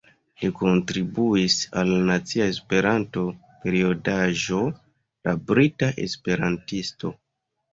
Li kontribuis al la nacia Esperanto-periodaĵo La Brita Esperantisto.